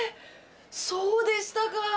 そうでしたか。